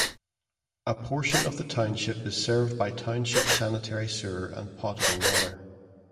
A portion of the township is served by township sanitary sewer and potable water.